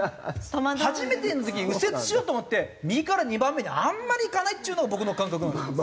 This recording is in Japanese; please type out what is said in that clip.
初めての時右折しようと思って右から２番目にあんまり行かないっちゅうのが僕の感覚なんですよ。